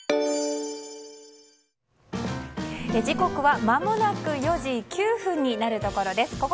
時刻はまもなく４時９分になるところです。